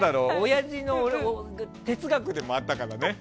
親父の哲学でもあったからね。